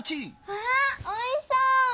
わあおいしそう！